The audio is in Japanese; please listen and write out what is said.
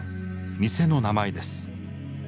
店の名前です。